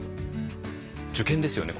受験ですよね？